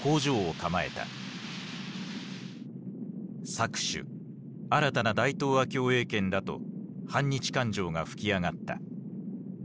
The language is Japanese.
搾取新たな大東亜共栄圏だと反日感情が噴き上がった。